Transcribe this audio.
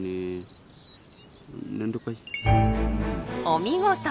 お見事！